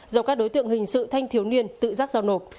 do các đối tượng hình sự thanh thiếu niên tự giác giao nộp